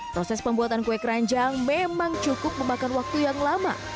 proses pembuatan kue keranjang memang cukup memakan waktu yang lama